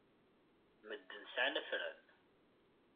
Medden sɛan afran.